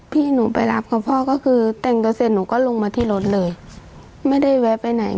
พี่หนูไปรับกับพ่อก็คือแต่งตัวเสร็จหนูก็ลงมาที่รถเลยไม่ได้แวะไปไหน